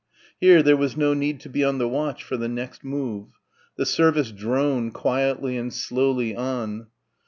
Here, there was no need to be on the watch for the next move. The service droned quietly and slowly on.